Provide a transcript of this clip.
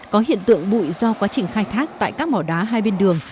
có hiện tượng bụi do quá trình khai thác tại các mỏ đá hai bên đường